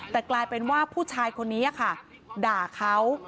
แต่กลายเป็นว่าผู้ชายคนนี้ค่ะด่าเขา